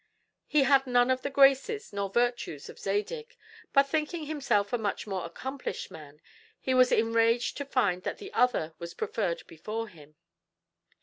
He had none of the graces nor virtues of Zadig; but thinking himself a much more accomplished man, he was enraged to find that the other was preferred before him.